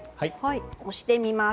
押してみます。